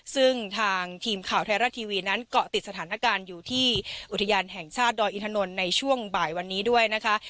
ซึ่งทางทีมข่าวไทยรัฐทีวีนั้นเกาะติดสถานการณ์อยู่ที่อุทยานแห่งชาติดอยอินทนนท์ในช่วงบ่ายวันนี้ด้วยนะคะ